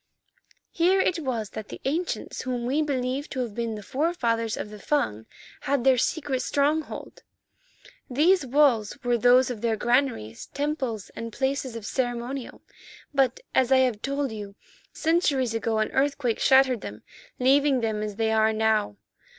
"Here it was that the ancients whom we believe to have been the forefathers of the Fung, had their secret stronghold. These walls were those of their granaries, temples, and places of ceremonial, but, as I have told you, centuries ago an earthquake shattered them, leaving them as they are now.